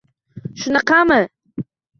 — Shunaqami?!